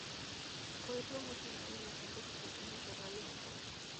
Fue promocionado en distintas estaciones de radio locales.